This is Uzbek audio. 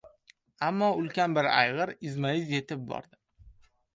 Ammo ulkan bir ayg‘ir izma-iz yetib bordi.